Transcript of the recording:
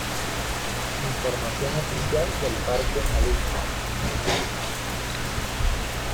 Información oficial del Parque Aluche